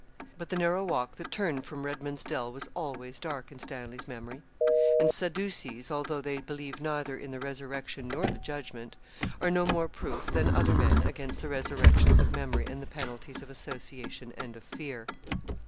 But the narrow walk that turned from Redman's Dell was always dark in Stanley's memory; and Sadducees, although they believe neither in the resurrection nor the judgment, are no more proof than other men against the resurrections of memory and the penalties of association and of fear.